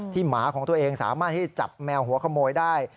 หมาของตัวเองสามารถที่จับแมวหัวขโมยได้